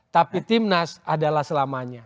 tapi timnas adalah selamanya